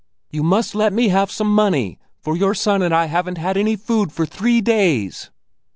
You must let me have some money, for your son and I haven't had any food for three days."